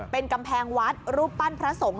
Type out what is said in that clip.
เป็นกำแพงวัดรูปปั้นพระสงฆ์